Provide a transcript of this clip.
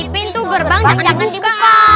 pintu gerbang jangan dibuka